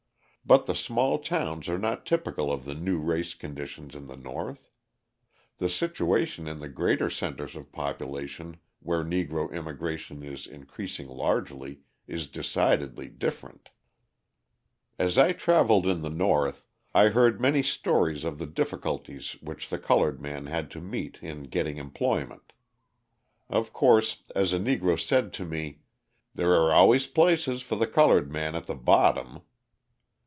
But the small towns are not typical of the new race conditions in the North; the situation in the greater centres of population where Negro immigration is increasing largely, is decidedly different. As I travelled in the North, I heard many stories of the difficulties which the coloured man had to meet in getting employment. Of course, as a Negro said to me, "there are always places for the coloured man at the bottom."